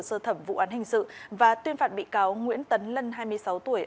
sơ thẩm vụ án hình sự và tuyên phạt bị cáo nguyễn tấn lân hai mươi sáu tuổi